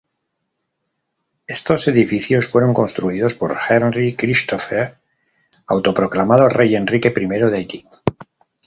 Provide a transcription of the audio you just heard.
Estos edificios fueron construidos por Henri Christophe, autoproclamado rey Enrique I de Haití.